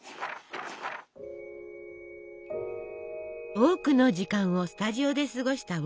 多くの時間をスタジオで過ごしたウォルト。